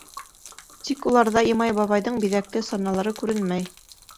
Тик уларҙа Имай бабайҙың биҙәкле саналары күренмәй.